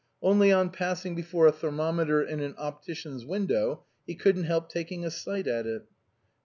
Only on passing before a ther mometer in an optician's window he couldn't help taking a sight at it.